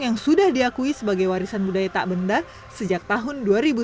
yang sudah diakui sebagai warisan budaya tak benda sejak tahun dua ribu sepuluh